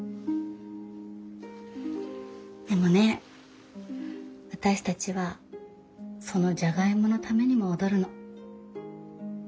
でもね私たちはそのジャガイモのためにも踊るの。